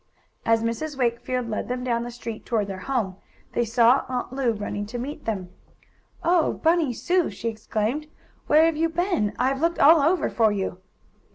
As Mrs. Wakefield led them down the street, toward their home, they saw Aunt Lu running to meet them. "Oh, Bunny! Sue!" she exclaimed. "Where have you been? I've looked all over for you!"